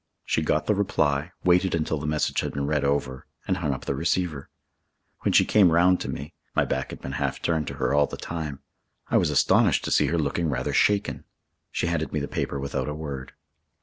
She got the reply, waited until the message had been read over, and hung up the receiver. When she came round to me my back had been half turned to her all the time I was astonished to see her looking rather shaken. She handed me the paper without a word.